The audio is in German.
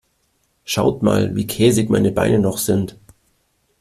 Schaut mal, wie käsig meine Beine noch sind.